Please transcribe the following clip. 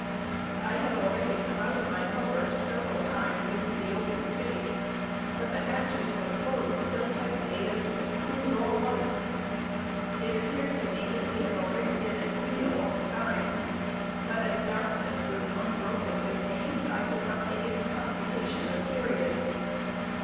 I had already come out of my covert several times into the open space; but the hatches were closed so tightly, as to exclude all light. It appeared to me that we had already been at sea a long time; but as darkness was unbroken with me, I could not make any computation of periods.